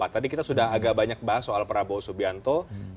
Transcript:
tadi kita sudah agak banyak bahas soal prabowo subianto